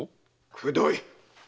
くどい！